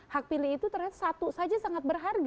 hak pilih itu ternyata satu saja sangat berharga